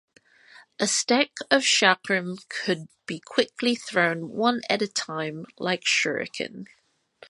A stack of chakram could be quickly thrown one at a time like shuriken.